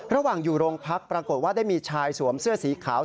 ระหว่างอยู่โรงพักปรากฏว่าได้มีชายสวมเสื้อสีขาว